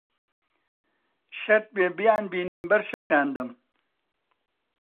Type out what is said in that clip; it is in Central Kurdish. شەرت بێ بیانبینم بەر شەقیان دەم!